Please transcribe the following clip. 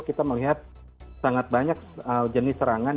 kita melihat sangat banyak jenis serangan